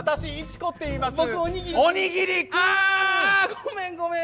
ごめんごめん。